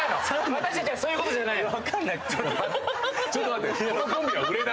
私たちはそういうことじゃないの。